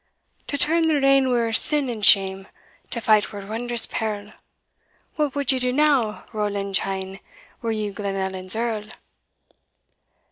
"To turn the rein were sin and shame, To fight were wondrous peril, What would ye do now, Roland Cheyne, Were ye Glenallan's Earl?